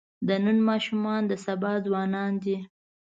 د نن ماشومان د سبا ځوانان دي.